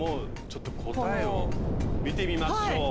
ちょっと答えを見てみましょう。